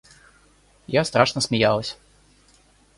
Я страшно смеялась.